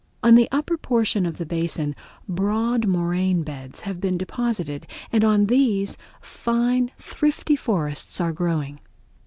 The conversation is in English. On the upper portion of the basin broad moraine beds have been deposited and on these fine, thrifty forests are growing.